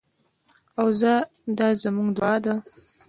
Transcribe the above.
او دا زموږ دعا ده.